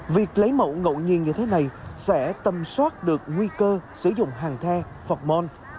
việc lấy mẫu ngẫu nhiên như thế này sẽ tầm soát được nguy cơ sử dụng hàng the phọc mon